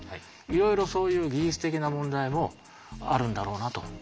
いろいろそういう技術的な問題もあるんだろうなと。